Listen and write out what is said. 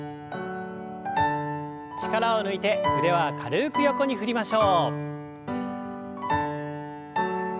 力を抜いて腕は軽く横に振りましょう。